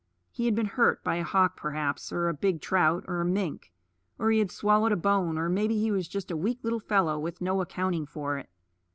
He had been hurt, by a hawk perhaps, or a big trout, or a mink; or he had swallowed a bone; or maybe he was just a weak little fellow with no accounting for it.